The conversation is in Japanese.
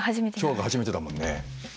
今日が初めてだもんね。